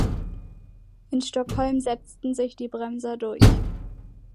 In Stockholm setzten sich die Bremser durch.